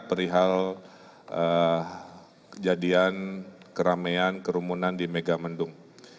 perihal kejadian keramaian kerumunan di megamendung